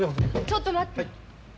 ちょっと待って！